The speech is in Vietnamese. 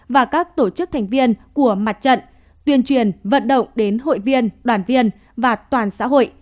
và các tổ chức thành viên của mặt trận tuyên truyền vận động đến hội viên đoàn viên và toàn xã hội